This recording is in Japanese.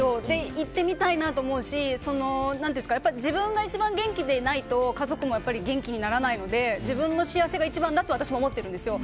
行ってみたいなと思うし自分が一番元気でいないと家族も元気にならないので自分の幸せが一番だと私も思ってるんですよ。